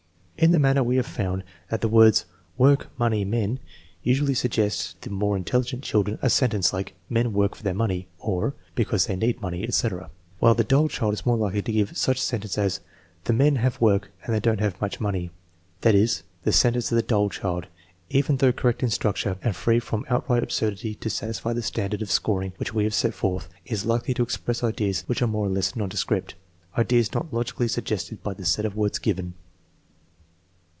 In like manner we have found that the words work, money, men usually suggest to the more intelligent children a sentence like " Men work for their money " (or " because they need money/' etc.), while the dull child is more likely to give some such sen tence as " The men have work and they don't have much money." That is, the sentence of the dull child, even though correct in structure and free enough from outright absurdity to satisfy the standard of scoring which we have set forth, is likely to express ideas which are more or less nondescript, ideas not logically suggested by the set of words given.